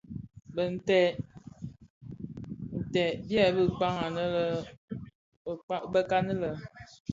Bintèd nted byebi kpäg anë bekan lè.